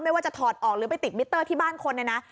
ไม่ว่าจะถอดออกหรือไปติดมิเตอร์ที่บ้านคนเนี่ยนะ